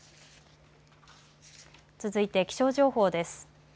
続いて気象情報です。